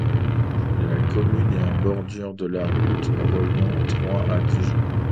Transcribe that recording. La commune est en bordure de la route reliant Troyes à Dijon.